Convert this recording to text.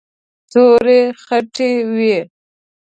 تورې خټې وې.